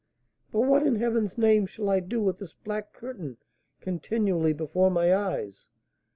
"But what, in heaven's name, shall I do with this black curtain continually before my eyes?